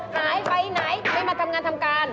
หายไปไหนไม่มาทำงานทำการ